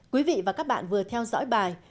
quý vị và các bạn vừa theo dõi bài